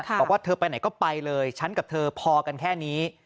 บอกว่าเธอไปไหนก็ไปเลยฉันกับเธอพอกันแค่นี้